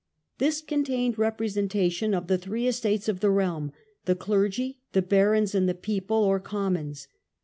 This contained representation of the three estates of the realm, the clergy, the barons, and the people (or commons).